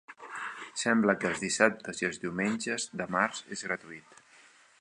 Sembla que els dissabtes i els diumenges de març és gratuït.